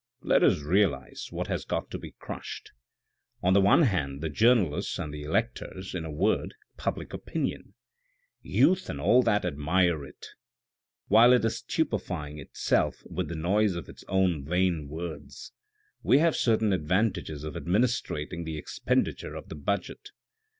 Let us realise what has got to be crushed. On the one hand the journalists and the electors, in a word, public opinion ; youth and all that admire it. While it is stupefying itself with the noise of its own vain words, we have certain advantages of administrating the expenditure of the budget."